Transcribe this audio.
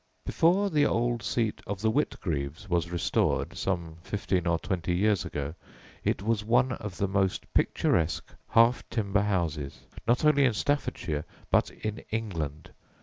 Before the old seat of the Whitgreaves was restored some fifteen or twenty years ago it was one of the most picturesque half timber houses, not only in Staffordshire, but in England.